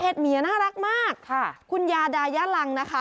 เพศเหมียน่ารักมากคุณยาดายลังนะคะ